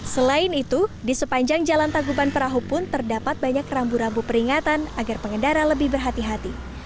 selain itu di sepanjang jalan tagupan perahu pun terdapat banyak rambu rambu peringatan agar pengendara lebih berhati hati